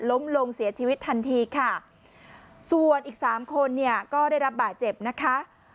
ล้มลงเสียชีวิตทันทีค่ะส่วนอีก๓ก็ได้รับบ่ายเจ็บนะคะ